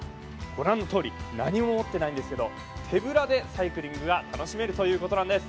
ご覧のとおり、何も持ってないんですけど、手ぶらでサイクリングが楽しめるということなんです。